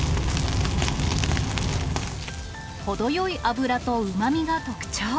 程よい脂とうまみが特徴。